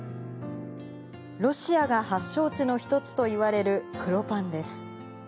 ロシアが発祥地の一つといわれる黒パンです。